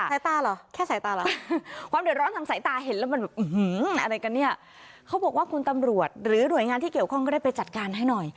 สายตาเหรอแค่สายตาเหรอความเดือดร้อนทางสายตาเห็นแล้วมันแบบอะไรกันเนี่ยเขาบอกว่าคุณตำรวจหรือหน่วยงานที่เกี่ยวข้องก็ได้ไปจัดการให้หน่อย